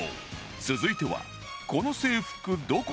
続いては